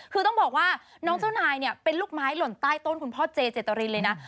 คือต้องบอกว่าน้องเจ้านายเนี่ยเป็นลูกไม้หล่นใต้ต้นคุณพ่อเจเจตรินเลยนะ